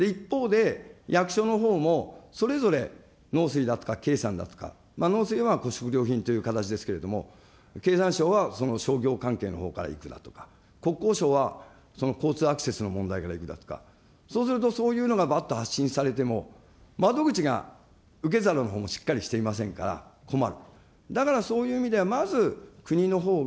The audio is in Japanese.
一方で、役所のほうも、それぞれ農水だとか経産だとか、農水は食料品という形ですけれども、経産省はその商業関係のほうからいくだとか、国交省は交通アクセスの問題からいくだとか、そうすると、そういうのがばっと発信されても窓口が、受け皿のほうもしっかりしていませんから困る。